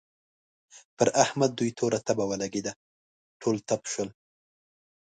پر احمد دوی توره تبه ولګېده؛ ټول تپ شول.